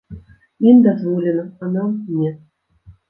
Ім дазволена, а нам не.